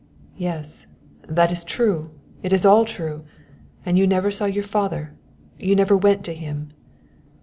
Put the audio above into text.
"Yes, that is true; it is all true! And you never saw your father you never went to him?"